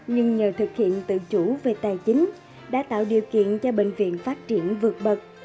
nhưng nhờ thực hiện tự chủ về tài chính đã tạo điều kiện cho bệnh viện phát triển vượt bậc